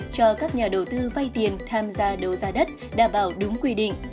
cho các nhà đầu tư vay tiền tham gia đấu giá đất đảm bảo đúng quy định